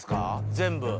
全部。